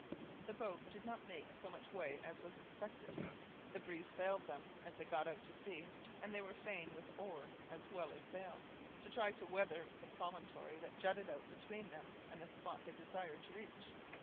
The boat did not make so much way as was expected; the breeze failed them as they got out to sea, and they were fain with oar as well as sail, to try to weather the promontory that jutted out between them and the spot they desired to reach.